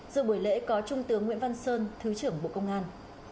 dự buổi lễ có trung tướng nguyễn văn sơn thứ trưởng bộ công an